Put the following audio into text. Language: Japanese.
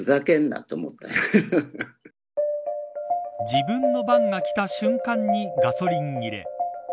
自分の番がきた瞬間にガソリン切れ。